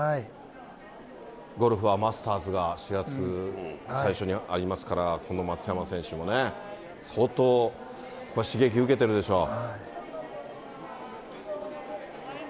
ゴルフはマスターズが４月最初にありますから、今度松山選手もね、相当、刺激受けてるでしょう。